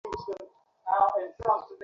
তখন সেই চিন্তানুযায়ী কার্য হইতে থাকিবে।